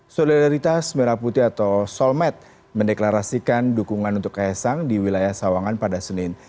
solidaritas merah putih atau solmed mendeklarasikan dukungan untuk kaisang di wilayah sawangan pada senin